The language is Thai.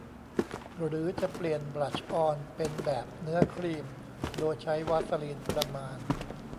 หรือจะเปลี่ยนบลัชออนเป็นแบบเนื้อครีมโดยใช้วาสลีนประมาณ